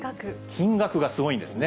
金額がすごいんですね。